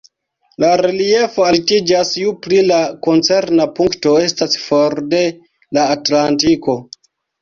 La reliefo altiĝas ju pli la koncerna punkto estas for de la atlantiko.